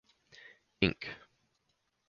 Inc.